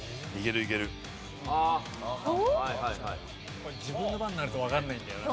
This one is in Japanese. これ自分の番になるとわからないんだよな。